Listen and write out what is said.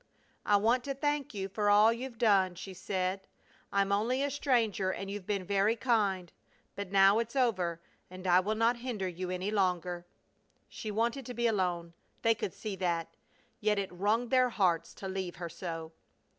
"I want to thank you for all you've done!" she said. "I'm only a stranger and you've been very kind. But now it's over and I will not hinder you any longer." She wanted to be alone. They could see that. Yet it wrung their hearts to leave her so.